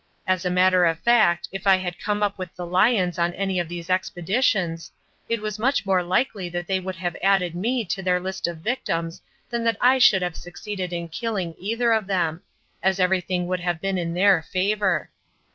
As a matter of fact, if I had come up with the lions on any of these expeditions, it was much more likely that they would have added me to their list of victims than that I should have succeeded in killing either of them, as everything would have been in their favour.